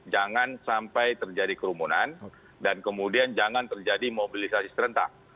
jangan sampai terjadi kerumunan dan kemudian jangan terjadi mobilisasi serentak